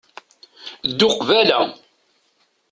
Ddu qbala.